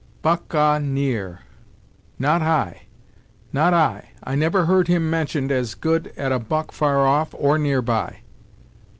"Buck ah near! Not I not I I never heard him mentioned as good at a buck far off, or near by.